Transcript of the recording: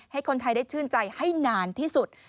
ให้คนไทยได้ชื่นใจให้นานที่สุด